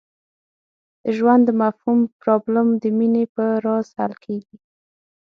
د ژوند د مفهوم پرابلم د مینې په راز حل کېږي.